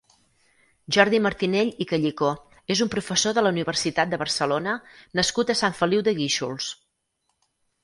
Jordi Martinell i Callicó és un professor de la Universitat de Barcelona nascut a Sant Feliu de Guíxols.